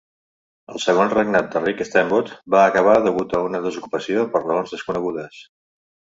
El segon regnat de Rick Steamboat va acabar degut a una desocupació per raons desconegudes.